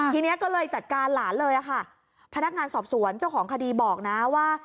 ทีนี้ก็เลยจัดการหลานเลยค่ะพนักงานสอบสวนเจ้าของคดีบอกนะว่า